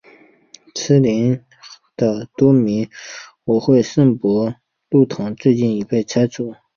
毗邻的多明我会圣伯多禄堂最近已经拆除。